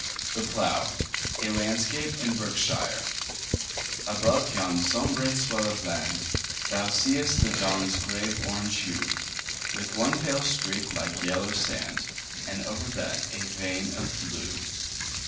The Plough A LANDSCAPE IN BERKSHIRE ABOVE yon sombre swell of land Thou see'st the dawn's grave orange hue, With one pale streak like yellow sand, And over that a vein of blue.